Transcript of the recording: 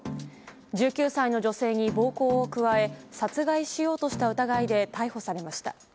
１９歳の女性に暴行を加え殺害しようとした疑いで逮捕されました。